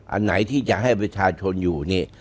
อันไหนที่จะให้ประชาชนอยู่นี่